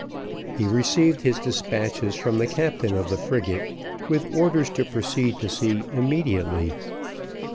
He received his despatches from the captain of the frigate, with orders to proceed to sea immediately.